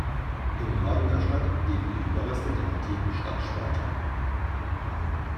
Im Norden der Stadt liegen die Überreste der antiken Stadt Sparta.